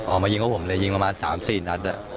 ออกมายิง่ว่าผมเลยยิงประมาณสามสี่นัด